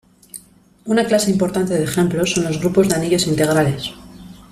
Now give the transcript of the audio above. Una clase importante de ejemplos son los grupos de anillos integrales.